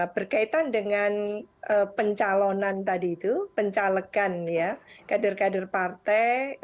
berkaitan dengan pencalonan tadi itu pencalegan kader kader partai